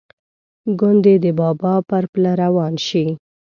ګوندې د بابا پر پله روان شي.